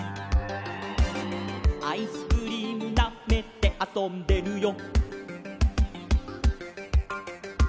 「アイスクリームなめてあそんでるよ」